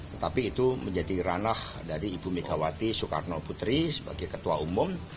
tetapi itu menjadi ranah dari ibu megawati soekarno putri sebagai ketua umum